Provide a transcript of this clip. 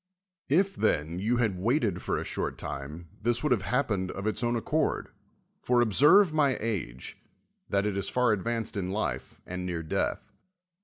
If, then, you had waited for a short time, this would have happened of its own accord ; for observe my age, that it is far advanced in life, and near death.